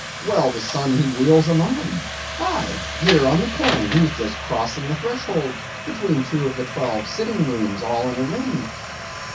Well; the sun he wheels among 'em. Aye, here on the coin he's just crossing the threshold between two of twelve sitting rooms all in a ring.